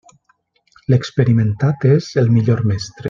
L'experimentat és el millor mestre.